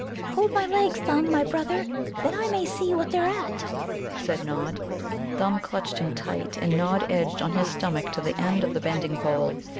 "Hold my legs, Thumb, my brother, that I may see what they're at," said Nod. Thumb clutched him tight, and Nod edged on his stomach to the end of the bending pole.